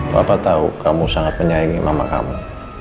papa tau kamu sangat menyayangi mama kamu